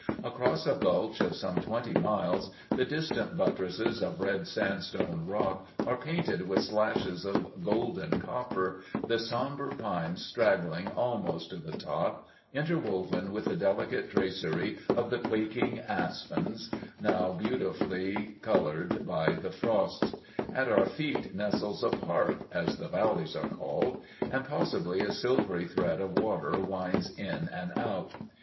Across a gulch of some twenty miles the distant buttresses of red sandstone rock are painted with slashes of golden copper, the somber pines straggling almost to the top, interwoven with the delicate tracery of the quaking asps, now beautifully colored by the frosts. At our feet nestles a "park" (as the valleys are called), and possibly a silvery thread of water winds in and out.